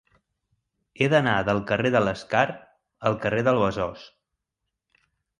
He d'anar del carrer de l'Escar al carrer del Besòs.